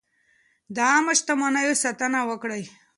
د عامه شتمنیو ساتنه وکړئ.